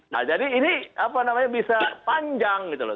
nah jadi ini apa namanya bisa panjang gitu loh